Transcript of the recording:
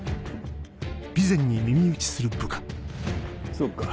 そうか。